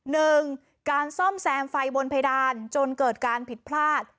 หนึ่งการซ่อมแซมไฟบนเพดานจนเกิดการผิดพลาด